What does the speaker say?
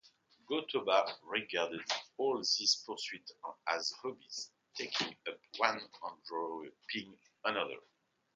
Go-Toba regarded all these pursuits as hobbies, taking one up and dropping another.